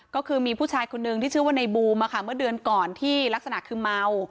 ก็คือมีผู้ชายคนนึงที่ชื่อว่าในบูมเมื่อเดือนก่อนที่ลักษณะคือเมา